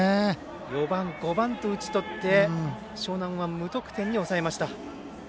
４番５番と打ち取って樟南は無得点に抑えました。